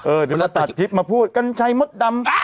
เดี๋ยวเราตัดคลิปมาพูดกัญชัยมดดำ